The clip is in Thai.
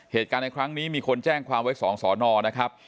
เหตุการณ์ในครั้งนี้มีคนแจ้งความไว้๒สอนอนะครับ